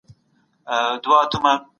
د ټولني هر وګړی مسؤليت لري.